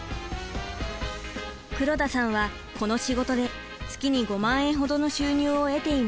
黒田さんはこの仕事で月に５万円ほどの収入を得ています。